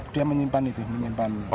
dia menyimpan itu menyimpan